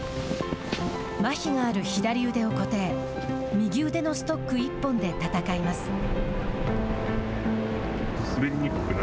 まひがある左腕を固定右腕のストック１本で戦います。